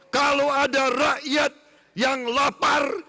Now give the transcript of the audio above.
kalau ada rakyat yang lapar